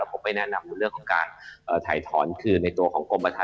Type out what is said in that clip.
ผมไปแนะนำเรื่องของการถ่ายถอนคืนในตัวของกรมประธาน